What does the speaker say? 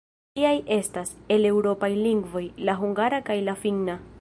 Tiaj estas, el eŭropaj lingvoj, la hungara kaj la finna.